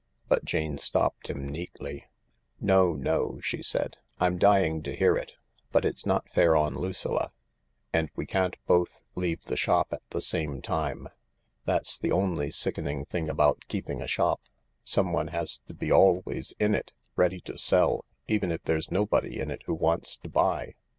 J' But Jane stopped him neatly. " No, no," she said. " I'm dying to hear it, but it's not fair on Lucilla— and we can't both leave the shop at the same time. That's the only sickening thing about keeping a shop— someone has to be always in it, ready to sell, even if there's nobody in it who wants to buy.